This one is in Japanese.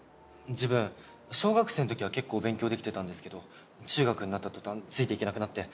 自分小学生のときは結構勉強できてたんですけど中学になった途端ついていけなくなって。